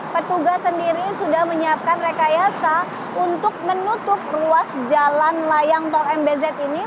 petugas sendiri sudah menyiapkan rekayasa untuk menutup ruas jalan layang tol mbz ini